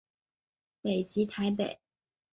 本籍台北。